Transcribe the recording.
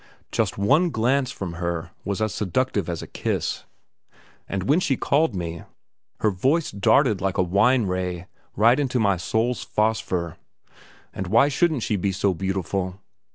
Just one glance from her was as seductive as a kiss; and when she called me, her voice darted like a wine ray right into my soul's phosphor. And why shouldn't she be so beautiful?"